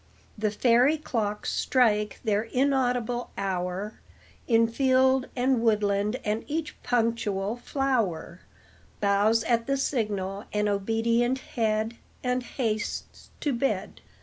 The fairy clocks strike their inaudible hour In field and woodland, and each punctual flower Bows at the signal an obedient head And hastes to bed.